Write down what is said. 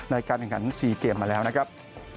ในการแข่งขัน๔เกมมาแล้วนะครับ